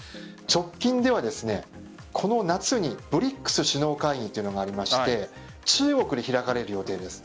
直近ではこの夏にＢＲＩＣＳ首脳会議というのがありまして中国で開かれる予定です。